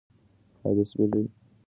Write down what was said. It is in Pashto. ای د سپي لورې خپله ژبه لنډه کړه.